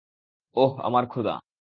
ওহ, আমার খোদা!